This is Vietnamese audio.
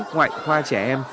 ngoại khoa trẻ em